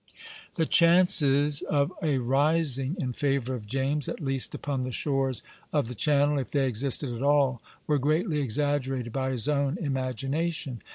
The chances of a rising in favor of James, at least upon the shores of the Channel, if they existed at all, were greatly exaggerated by his own imagination.